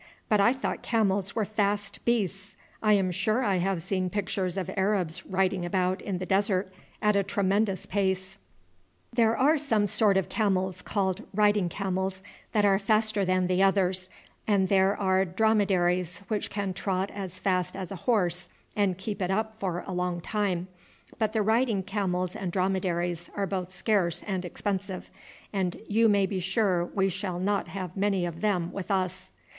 But I thought camels were fast beasts. I am sure I have seen pictures of Arabs riding about in the desert at a tremendous pace." "There are some sort of camels called riding camels that are faster than the others, and there are dromedaries, which can trot as fast as a horse and keep it up for a long time; but the riding camels and dromedaries are both scarce and expensive, and you may be sure we shall not have many of them with us."